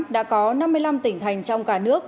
đã có năm mươi năm tỉnh thành trong cả nước